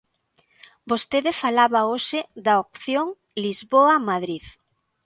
Vostede falaba hoxe da opción Lisboa-Madrid.